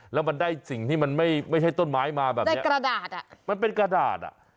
แล้วมันได้สิ่งที่มันไม่ใช่ต้นไม้มาแบบนี้ในกระดาษอ่ะมันเป็นกระดาษอ่ะ